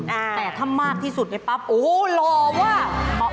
แต่ถ้ามากที่สุดไอ้ปั๊บโอ้โฮหล่อว่ะ